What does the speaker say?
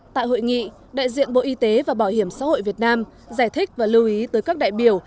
tại hội nghị đại diện bộ y tế và bảo hiểm xã hội việt nam giải thích và lưu ý tới các đại biểu